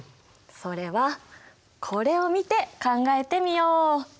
それはこれを見て考えてみよう。